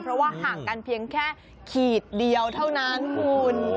เพราะว่าห่างกันเพียงแค่ขีดเดียวเท่านั้นคุณ